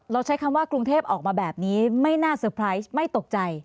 ใช้คำว่ากรุงเทพออกมาแบบนี้ไม่น่าเซอร์ไพรส์ไม่ตกใจ